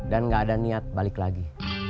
dan gak ada niat balik lagi